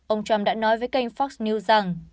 ông trump đã nói với kênh fox news rằng